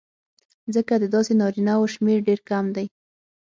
ځکه د داسې نارینهوو شمېر ډېر کم دی